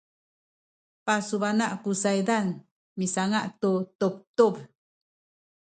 pasubana’ ku saydan misanga’ tu tubtub